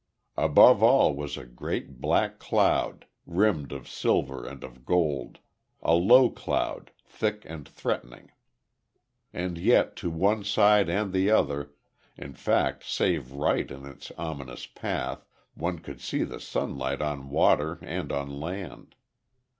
Above all was a great, black cloud, rimmed of silver and of gold, a low cloud, thick and threatening. And yet to one side and the other in fact save right in its ominous path, one could see the sunlight on water and on land.